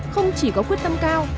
không chỉ có quyết tâm cao